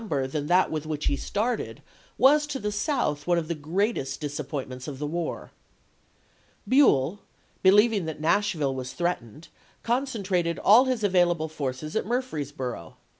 XIII. ber than that with which he started was to the South one of the greatest disappointments of the war. Buell, believing that Nashville was threatened, concentrated all his available forces at Murfreesboro, 1862.